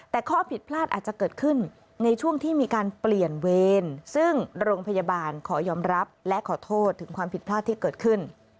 แต่ข้อผิดพลาดอาจจะเกิดขึ้นในช่วงที่มีการเปลี่ยนเวรซึ่งโรงพยาบาลขอยอมรับและขอโทษถึงความผิดพลาดที่เกิดขึ้น